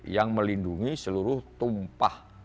yang melindungi seluruh tumpah